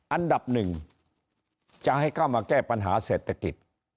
อันดับหนึ่งจะให้เข้ามาแก้ปัญหาเศรษฐกิจ